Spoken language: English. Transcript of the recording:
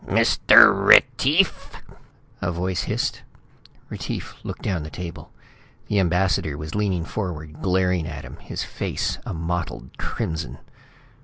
"Mr. Retief!" a voice hissed. Retief looked down at the table. The ambassador was leaning forward, glaring at him, his face a mottled crimson.